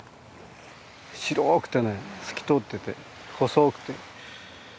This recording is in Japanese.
白くてね透き通ってて細くて。